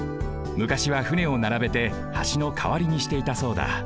むかしは船をならべて橋のかわりにしていたそうだ。